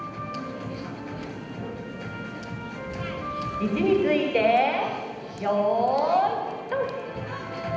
位置についてよいどん。